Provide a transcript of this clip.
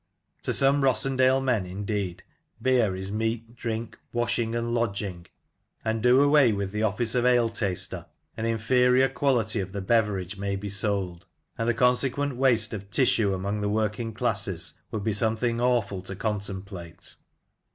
To some Rossendale men, indeed, beer is meat, drink, washing, and lodging; and do away with the office of ale taster, an inferior quality of the beverage may be sold, and the consequent waste of tissue among the working classes would be something awful to contemplate.